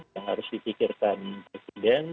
yang harus dipikirkan presiden